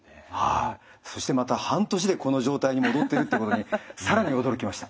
そしてまた半年でこの状態に戻ってるってことに更に驚きました。